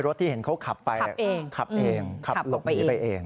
รถที่เห็นเขาขับไปขับลบหนีไปเอง